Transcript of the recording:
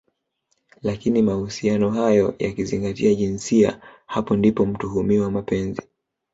lakini mahusiano hayo yakizingatia jinsia hapo ndipo mtuhumiwa Mapenzi